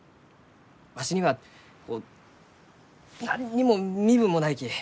わしにはこう何にも身分もないき。